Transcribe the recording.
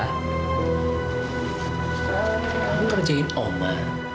kamu kerjain oma